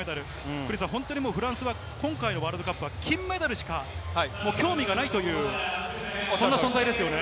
クリスさん、フランスは今回のワールドカップ、金メダルしか興味がないという、そんな存在ですね。